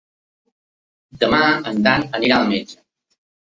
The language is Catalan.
Demà en Dan irà al metge.